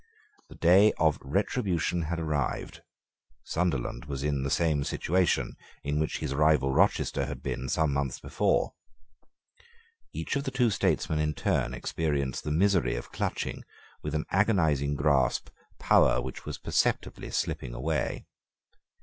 The day of retribution had arrived. Sunderland was in the same situation in which his rival Rochester had been some months before. Each of the two statesmen in turn experienced the misery of clutching, with an agonizing grasp, power which was perceptibly slipping away.